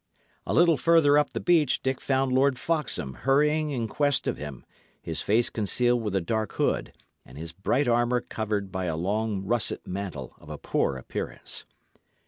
A little further up the beach Dick found Lord Foxham hurrying in quest of him, his face concealed with a dark hood, and his bright armour covered by a long russet mantle of a poor appearance.